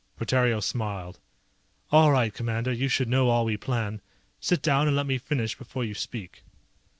Portario smiled. "All right, Commander, you should know all we plan. Sit down, and let me finish before you speak."